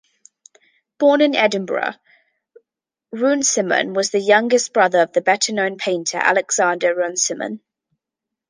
Born in Edinburgh, Runciman was the younger brother of the better-known painter Alexander Runciman.